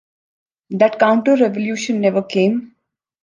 That counter-revolution never came.